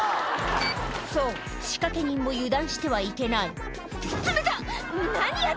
そう仕掛け人も油断してはいけない「冷たっ！